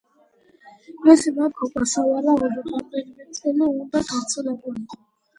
მისი მეფობა სავარაუდოდ რამდენიმე წელი უნდა გაგრძელებულიყო.